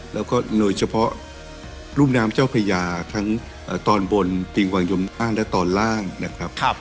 แล้วก็โดยเฉพาะรุ่มน้ำเจ้าพญาทั้งตอนบนติงวังยมอ้างและตอนล่างนะครับ